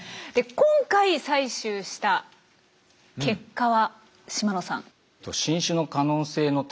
今回採集した結果は島野さん？